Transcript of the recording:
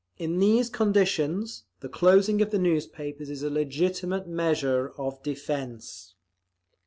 In these conditions, the closing of the newspapers is a legitimate measure of defence…."